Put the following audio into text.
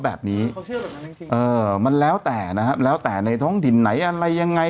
แบบนี้เออมันแล้วแต่นะครับแล้วแต่ในท้องถิ่นไหนอะไรยังไง